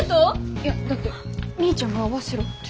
いやだってみーちゃんが会わせろって。